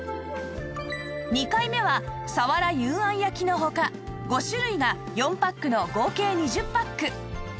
２回目はサワラ幽庵焼の他５種類が４パックの合計２０パック